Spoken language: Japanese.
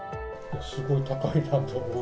すごい高いなと思う。